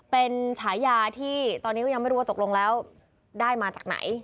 เป็นฉายาที่ตอนนี้ก็ยังไม่รู้ว่าตกลงแล้วได้มาจากไหน